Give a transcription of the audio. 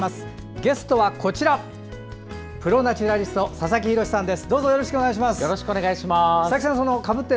ゲストは、プロ・ナチュラリスト佐々木洋さんです。